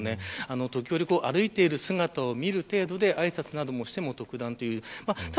時折歩いている姿を見る程度であいさつなどもしていない。